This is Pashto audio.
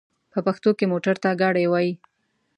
په پښتو کې موټر ته ګاډی وايي.